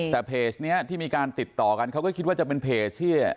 แต่เพจนี้ที่มีการติดต่อกันเขาก็คิดว่าจะเป็นเพจที่